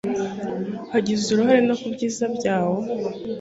hagize uruhare no ku byiza byawo